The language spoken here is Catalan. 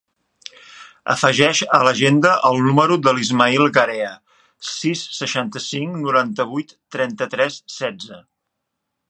Afegeix a l'agenda el número de l'Ismaïl Garea: sis, seixanta-cinc, noranta-vuit, trenta-tres, setze.